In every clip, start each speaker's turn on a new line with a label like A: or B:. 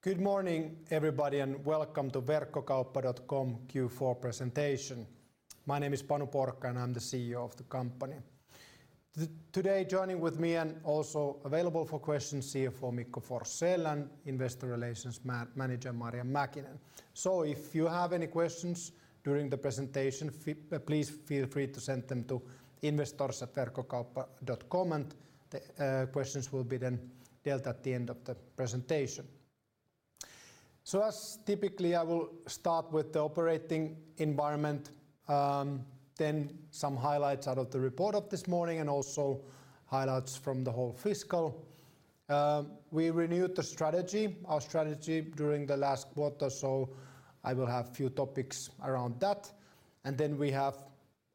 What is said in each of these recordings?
A: Good morning, everybody, and welcome to Verkkokauppa.com Q4 presentation. My name is Panu Porkka, and I'm the CEO of the company. Today, joining with me and also available for questions, CFO Mikko Forsell and investor relations manager, Marja Mäkinen. So if you have any questions during the presentation, please feel free to send them to investors@verkkokauppa.com, and the questions will be then dealt at the end of the presentation. So as typically, I will start with the operating environment, then some highlights out of the report of this morning, and also highlights from the whole fiscal. We renewed the strategy, our strategy during the last quarter, so I will have a few topics around that. And then we have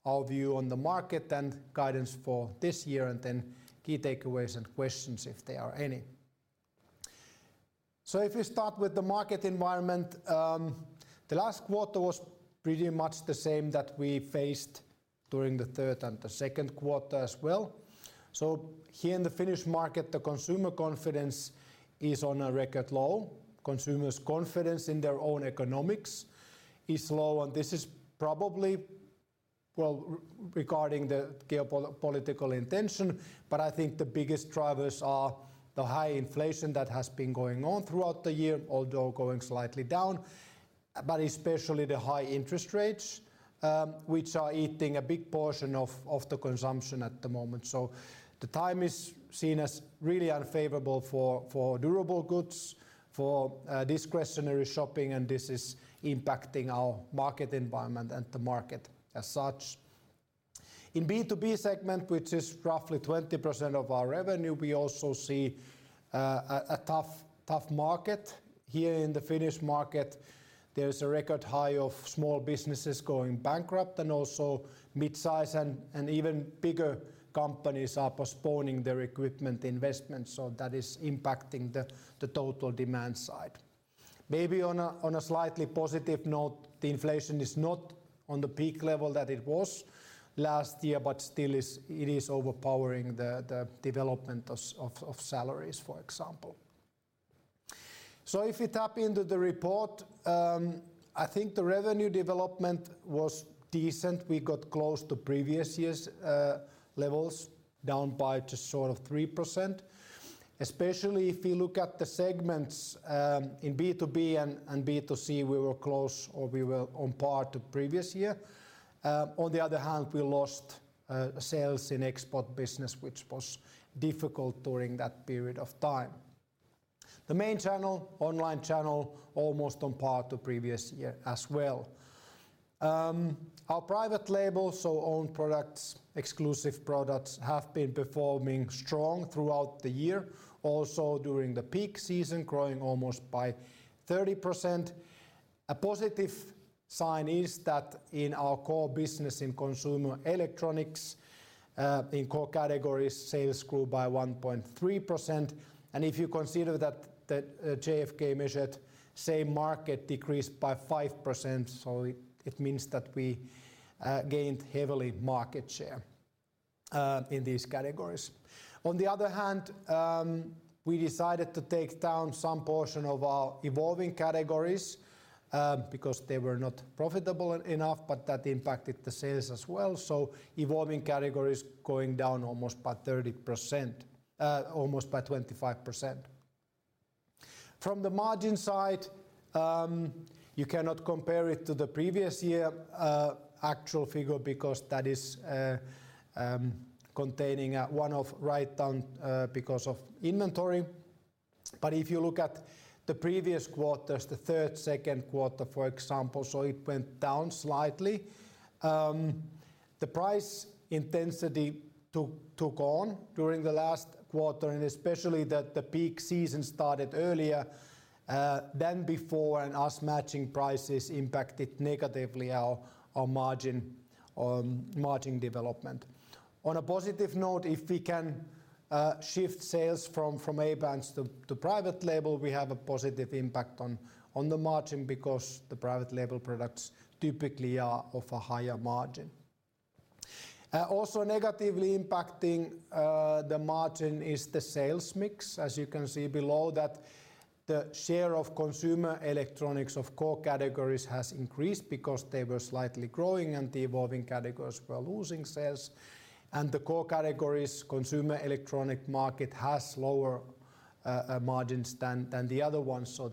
A: our view on the market and guidance for this year, and then key takeaways and questions, if there are any. So if you start with the market environment, the last quarter was pretty much the same that we faced during the third and the second quarter as well. So here in the Finnish market, the consumer confidence is on a record low. Consumers' confidence in their own economics is low, and this is probably, well, regarding the geopolitical intention, but I think the biggest drivers are the high inflation that has been going on throughout the year, although going slightly down, but especially the high interest rates, which are eating a big portion of the consumption at the moment. So the time is seen as really unfavorable for durable goods, for discretionary shopping, and this is impacting our market environment and the market as such. In B2B segment, which is roughly 20% of our revenue, we also see a tough, tough market. Here in the Finnish market, there is a record high of small businesses going bankrupt, and also mid-size and even bigger companies are postponing their equipment investments, so that is impacting the total demand side. Maybe on a slightly positive note, the inflation is not on the peak level that it was last year, but still is... It is overpowering the development of salaries, for example. So if you tap into the report, I think the revenue development was decent. We got close to previous years' levels, down by just sort of 3%. Especially if you look at the segments in B2B and B2C, we were close, or we were on par to previous year. On the other hand, we lost sales in export business, which was difficult during that period of time. The main channel, online channel, almost on par to previous year as well. Our private label, so own products, exclusive products, have been performing strong throughout the year. Also, during the peak season, growing almost by 30%. A positive sign is that in our core business in consumer electronics, in core categories, sales grew by 1.3%, and if you consider that, that GfK measured same market decreased by 5%, so it, it means that we, gained heavily market share, in these categories. On the other hand, we decided to take down some portion of our evolving categories, because they were not profitable enough, but that impacted the sales as well. So evolving categories going down almost by 30%, almost by 25%. From the margin side, you cannot compare it to the previous year, actual figure, because that is containing a one-off write-down because of inventory. But if you look at the previous quarters, the third, second quarter, for example, so it went down slightly. The price intensity took on during the last quarter, and especially that the peak season started earlier than before, and us matching prices impacted negatively our margin development. On a positive note, if we can shift sales from A-brands to private label, we have a positive impact on the margin because the private label products typically are of a higher margin. Also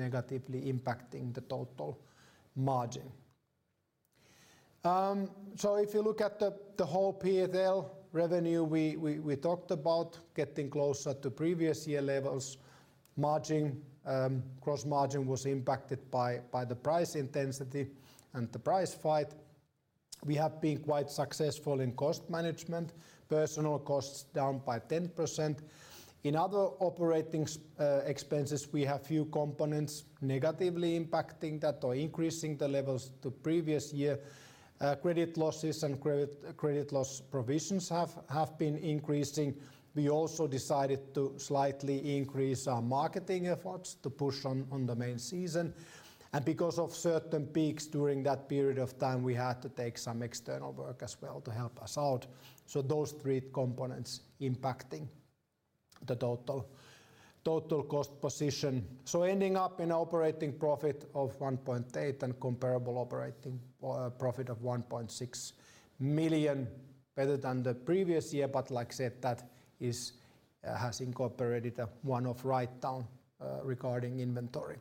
A: negatively impacting the margin is the sales mix. As you can see below that the share of consumer electronics of core categories has increased because they were slightly growing and the evolving categories were losing sales. The core categories, consumer electronics market, has lower margins than the other ones, so that is negatively impacting the total margin. So if you look at the whole P&L revenue, we talked about getting closer to previous year levels. Gross margin was impacted by the price intensity and the price fight. We have been quite successful in cost management. Personnel costs down by 10%. In other operating expenses, we have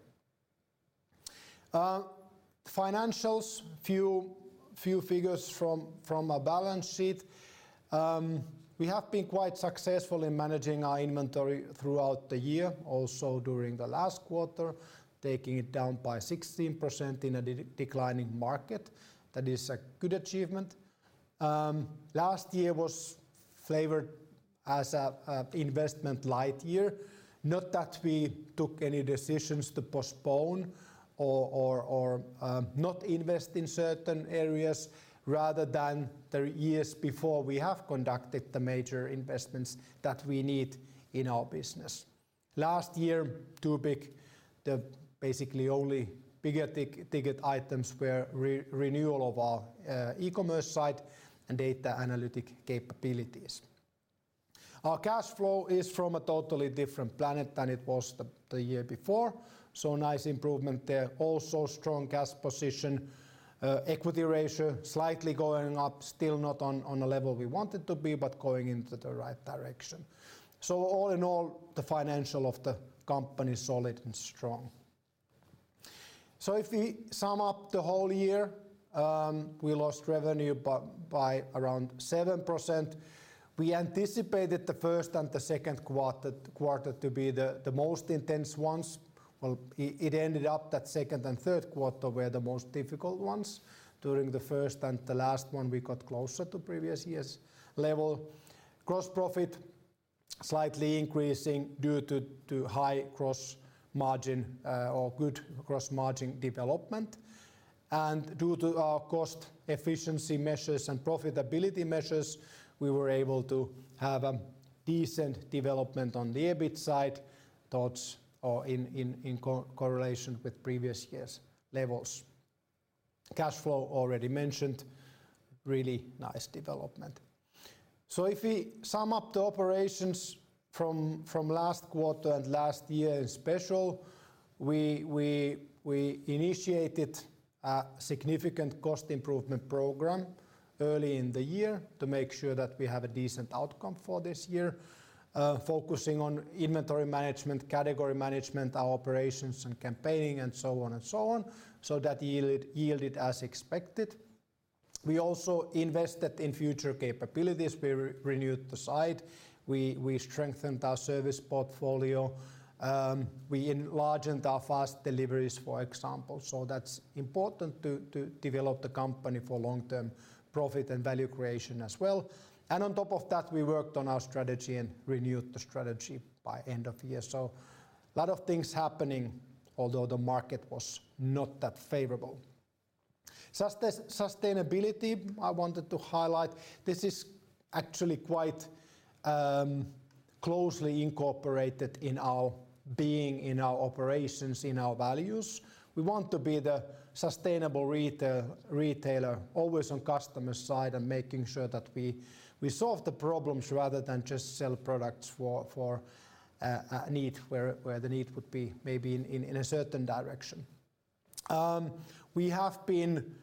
A: or not invest in certain areas, rather than the years before, we have conducted the major investments that we need in our business. Last year, basically the only big-ticket items were renewal of our e-commerce site and data analytics capabilities. Our cash flow is from a totally different planet than it was the year before, so nice improvement there. Also, strong cash position, equity ratio slightly going up, still not on a level we want it to be, but going into the right direction. So all in all, the financials of the company is solid and strong. So if we sum up the whole year, we lost revenue by around 7%. We anticipated the first and the second quarter to be the most intense ones. Well, it ended up that second and third quarter were the most difficult ones. During the first and the last one, we got closer to previous years' level. Gross profit slightly increasing due to high gross margin or good gross margin development, and due to our cost efficiency measures and profitability measures, we were able to have a decent development on the EBIT side, towards or in correlation with previous years' levels. Cash flow already mentioned, really nice development. So if we sum up the operations from last quarter and last year in special, we initiated a significant cost improvement program early in the year to make sure that we have a decent outcome for this year, focusing on inventory management, category management, our operations and campaigning, and so on and so on. So that yielded as expected. We also invested in future capabilities. We renewed the site. We strengthened our service portfolio. We enlarged our fast deliveries, for example. So that's important to develop the company for long-term profit and value creation as well. And on top of that, we worked on our strategy and renewed the strategy by end of year. So a lot of things happening, although the market was not that favorable. Sustainability, I wanted to highlight. This is actually quite closely incorporated in our being, in our operations, in our values. We want to be the sustainable retailer, always on customer's side and making sure that we solve the problems rather than just sell products for a need, where the need would be maybe in a certain direction. We have been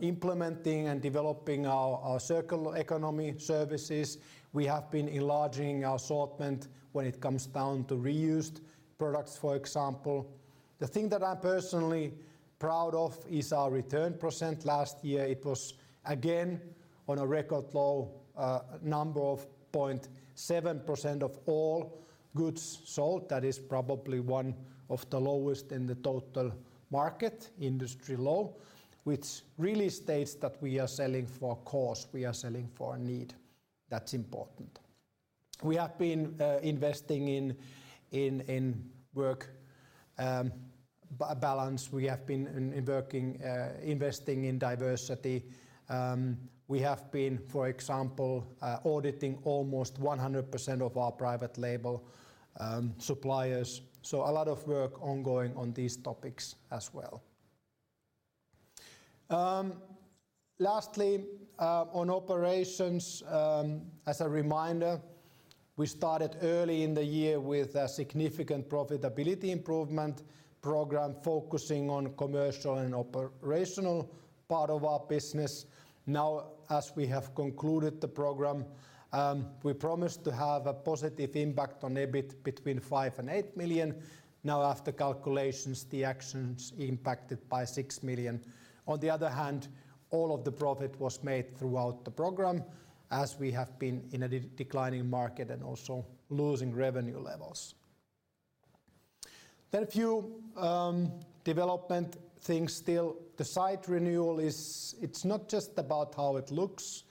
A: implementing and developing our circular economy services. We have been enlarging our assortment when it comes down to reused products, for example. The thing that I'm personally proud of is our return percent. Last year, it was again on a record low, number of 0.7% of all goods sold. That is probably one of the lowest in the total market, industry low, which really states that we are selling for a cause, we are selling for a need. That's important. We have been investing in work balance. We have been investing in diversity. We have been, for example, auditing almost 100% of our private label suppliers. So a lot of work ongoing on these topics as well. Lastly, on operations, as a reminder, we started early in the year with a significant profitability improvement program focusing on commercial and operational part of our business. Now, as we have concluded the program, we promised to have a positive impact on EBIT between 5 million and 8 million. Now, after calculations, the actions impacted by 6 million. On the other hand, all of the profit was made throughout the program, as we have been in a declining market and also losing revenue levels. Then a few development things still. The site renewal is... It's not just about how it looks,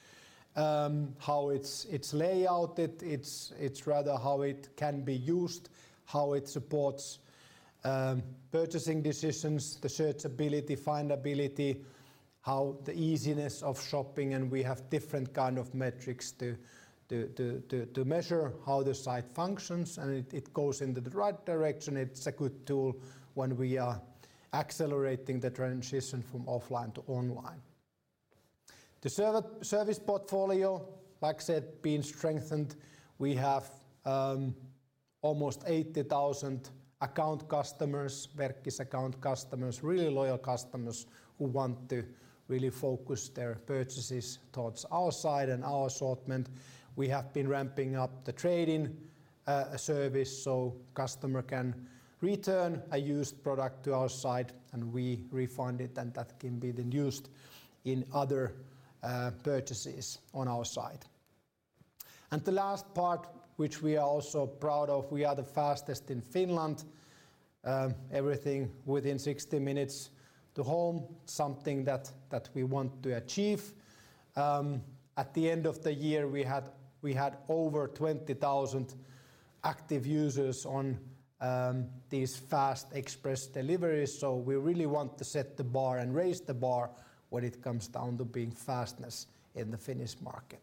A: how it's laid out, it's rather how it can be used, how it supports purchasing decisions, the searchability, findability, how the easiness of shopping, and we have different kind of metrics to measure how the site functions, and it goes in the right direction. It's a good tool when we are accelerating the transition from offline to online. The service portfolio, like I said, been strengthened. We have almost 80,000 account customers, Verkkis account customers, really loyal customers who want to really focus their purchases towards our site and our assortment. We have been ramping up the trading service, so customer can return a used product to our site, and we refund it, and that can be then used in other purchases on our site. The last part, which we are also proud of, we are the fastest in Finland. Everything within 60 minutes to home, something that we want to achieve. At the end of the year, we had over 20,000 active users on these fast express deliveries, so we really want to set the bar and raise the bar when it comes down to being fastness in the Finnish market.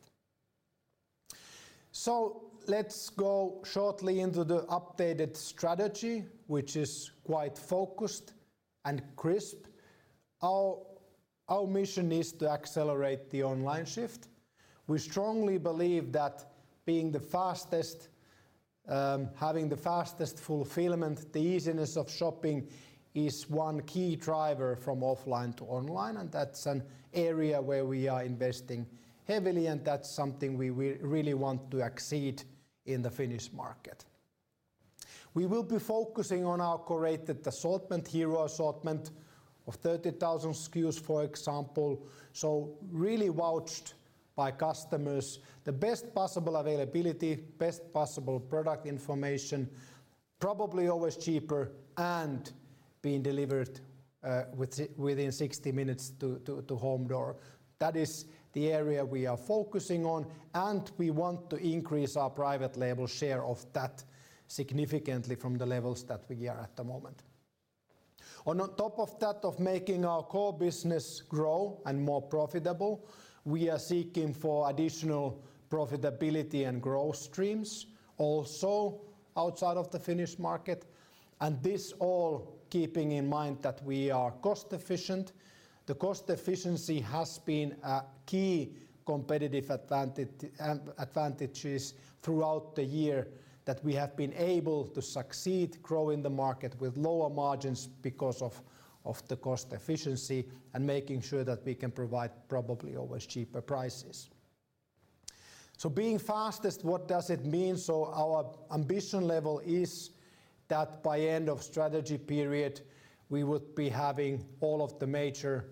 A: So let's go shortly into the updated strategy, which is quite focused and crisp. Our mission is to accelerate the online shift. We strongly believe that being the fastest, having the fastest fulfillment, the easiness of shopping, is one key driver from offline to online, and that's an area where we are investing heavily, and that's something we really want to exceed in the Finnish market. We will be focusing on our curated assortment, hero assortment of 30,000 SKUs, for example, so really vouched by customers. The best possible availability, best possible product information, probably always cheaper and being delivered within 60 minutes to home door. That is the area we are focusing on, and we want to increase our private label share of that significantly from the levels that we are at the moment. On top of that, of making our core business grow and more profitable, we are seeking for additional profitability and growth streams, also outside of the Finnish market, and this all keeping in mind that we are cost-efficient. The cost efficiency has been a key competitive advantages throughout the year, that we have been able to succeed growing the market with lower margins because of, of the cost efficiency and making sure that we can provide probably always cheaper prices. So being fastest, what does it mean? So our ambition level is that by end of strategy period, we would be having all of the major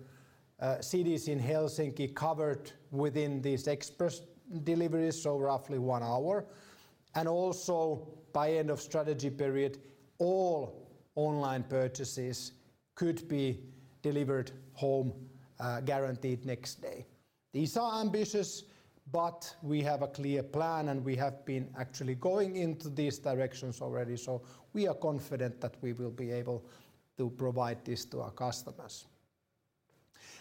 A: cities in Helsinki covered within these express deliveries, so roughly one hour. And also by end of strategy period, all online purchases could be delivered home, guaranteed next day. These are ambitious, but we have a clear plan, and we have been actually going into these directions already, so we are confident that we will be able to provide this to our customers.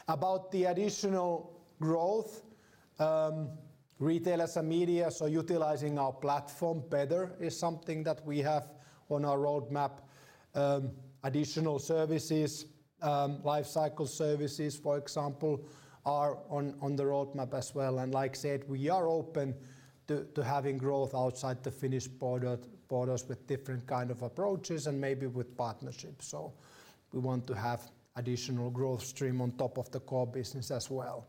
A: About the additional growth, retail as a media, so utilizing our platform better is something that we have on our roadmap. Additional services, lifecycle services, for example, are on the roadmap as well. And like I said, we are open to having growth outside the Finnish borders with different kind of approaches and maybe with partnerships. So we want to have additional growth stream on top of the core business as well.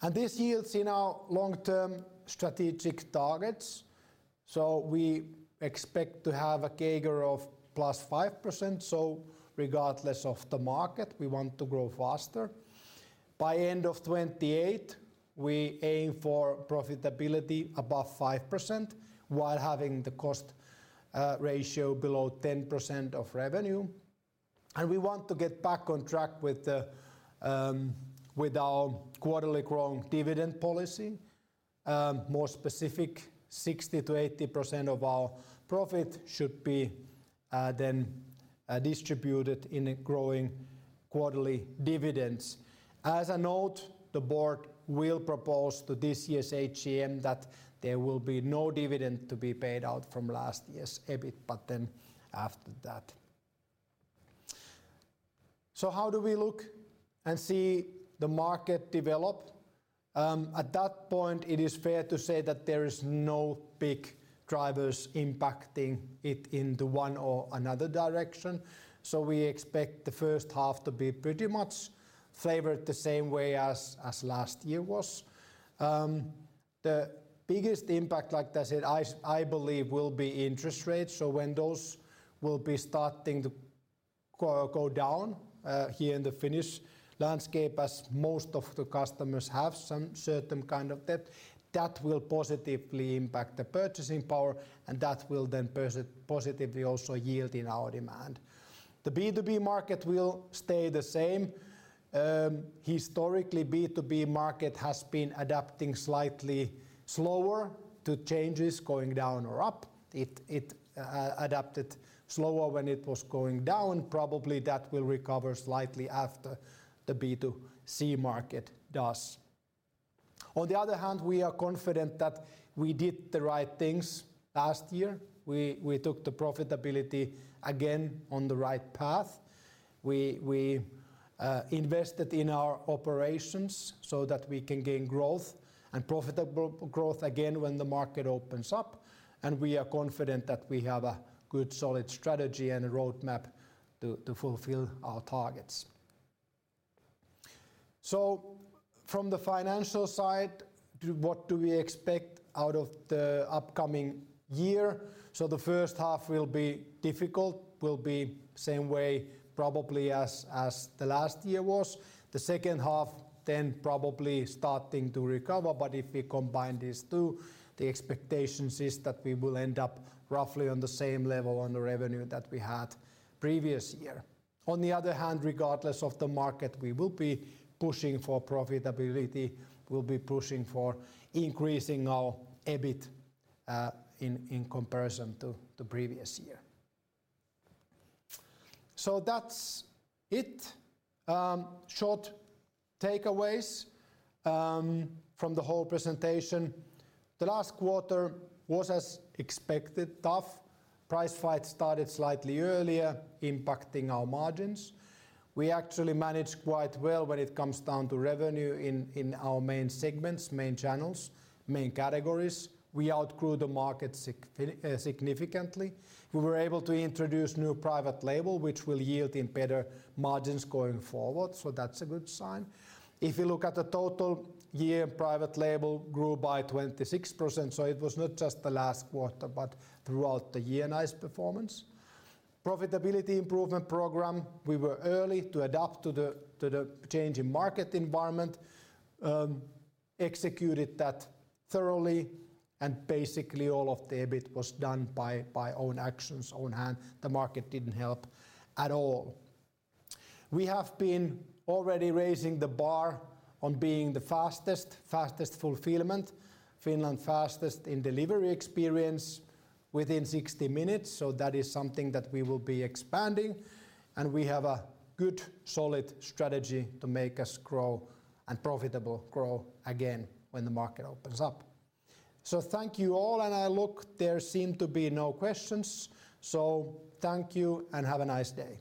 A: And this yields in our long-term strategic targets, so we expect to have a CAGR of +5%. So regardless of the market, we want to grow faster. By end of 2028, we aim for profitability above 5% while having the cost ratio below 10% of revenue. And we want to get back on track with our quarterly growing dividend policy. More specific, 60%-80% of our profit should be then distributed in growing quarterly dividends. As a note, the board will propose to this year's AGM that there will be no dividend to be paid out from last year's EBIT, but then after that. So how do we look and see the market develop? At that point, it is fair to say that there is no big drivers impacting it in the one or another direction. So we expect the first half to be pretty much favored the same way as last year was. The biggest impact, like I said, I, I believe, will be interest rates. So when those will be starting to go down here in the Finnish landscape, as most of the customers have some certain kind of debt, that will positively impact the purchasing power, and that will then positively also yield in our demand. The B2B market will stay the same. Historically, B2B market has been adapting slightly slower to changes going down or up. It adapted slower when it was going down. Probably, that will recover slightly after the B2C market does. On the other hand, we are confident that we did the right things last year. We took the profitability again on the right path. We invested in our operations so that we can gain growth and profitable growth again when the market opens up, and we are confident that we have a good, solid strategy and a roadmap to fulfill our targets. So from the financial side, what do we expect out of the upcoming year? So the first half will be difficult, will be same way probably as the last year was. The second half, then probably starting to recover. But if we combine these two, the expectations is that we will end up roughly on the same level on the revenue that we had previous year. On the other hand, regardless of the market, we will be pushing for profitability, we'll be pushing for increasing our EBIT in comparison to previous year. So that's it. Short takeaways from the whole presentation. The last quarter was, as expected, tough. Price fight started slightly earlier, impacting our margins. We actually managed quite well when it comes down to revenue in our main segments, main channels, main categories. We outgrew the market significantly. We were able to introduce new private label, which will yield in better margins going forward, so that's a good sign. If you look at the total year, private label grew by 26%, so it was not just the last quarter, but throughout the year, nice performance. Profitability improvement program, we were early to adapt to the changing market environment, executed that thoroughly, and basically all of the EBIT was done by own actions, own hand. The market didn't help at all. We have been already raising the bar on being the fastest, fastest fulfillment, Finland's fastest in delivery experience within 60 minutes, so that is something that we will be expanding, and we have a good, solid strategy to make us grow and profitable growth again when the market opens up. So thank you all, and I look there seem to be no questions, so thank you and have a nice day.